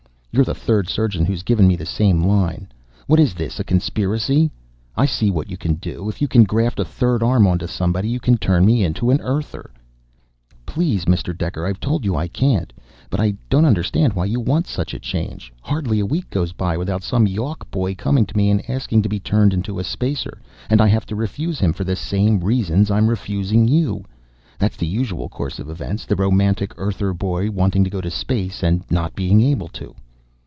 "You're the third surgeon who's given me the same line. What is this a conspiracy? I see what you can do. If you can graft a third arm onto somebody, you can turn me into an Earther." "Please, Mr. Dekker. I've told you I can't. But I don't understand why you want such a change. Hardly a week goes by without some Yawk boy coming to me and asking to be turned into a Spacer, and I have to refuse him for the same reasons I'm refusing you! That's the usual course of events the romantic Earther boy wanting to go to space, and not being able to."